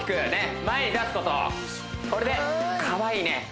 これでかわいいね